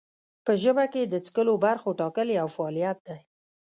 په ژبه کې د څکلو برخو ټاکل یو فعالیت دی.